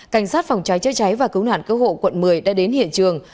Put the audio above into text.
cảnh sát phòng cháy chế cháy và cứu nạn cơ hộ quận một mươi đã đến hiện trường